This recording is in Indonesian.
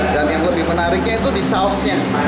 dan yang lebih menariknya itu di sausnya